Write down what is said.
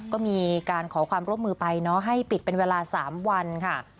ก็มีการขอความร่วมมือไปเนาะให้ปิดเป็นเวลา๓วันค่ะ